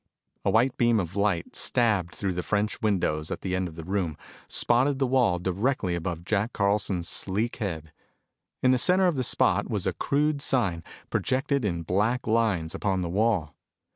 A white beam of light stabbed through the French windows at the end of the room, spotted the wall directly above Jack Carson's sleek head. In the center of the spot was a crude sign, projected in black lines upon the wall.